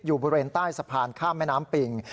อยู่บริเวณใต้สะพานข้ามแม่น้ำปิง